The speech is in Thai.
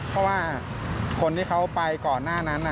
เพราะว่าคนที่เขาไปก่อนหน้านั้น